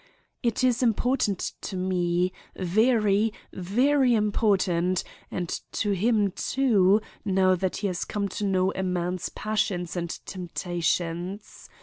It is important to me, very, very important, and to him, too, now that he has come to know a man's passions and temptations.